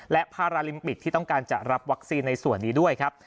และพาราลิมปิกที่ต้องการจะรับวัคซีนในส่วนนี้ด้วยครับ